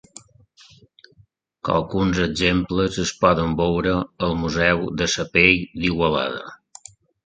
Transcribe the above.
Alguns exemples es poden veure al Museu de la Pell d'Igualada.